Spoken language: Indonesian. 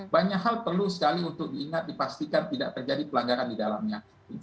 banyak hal perlu sekali untuk diingat dipastikan tidak terjadi pelanggaran di dalamnya